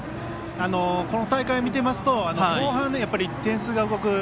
この大会を見ていますと後半、点数が動く